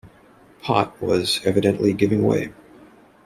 Pott was evidently giving way.